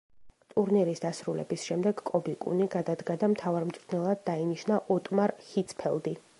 ტურნირის დასრულების შემდეგ კობი კუნი გადადგა და მთავარ მწვრთნელად დაინიშნა ოტმარ ჰიცფელდი.